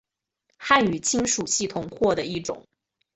汉语亲属系统或的一种。